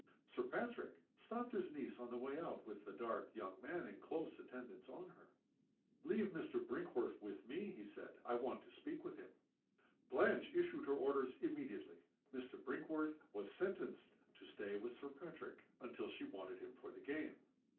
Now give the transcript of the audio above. Sir Patrick stopped his niece on her way out, with the dark young man in close attendance on her. "Leave Mr. Brinkworth with me," he said. "I want to speak to him." Blanche issued her orders immediately. Mr. Brinkworth was sentenced to stay with Sir Patrick until she wanted him for the game.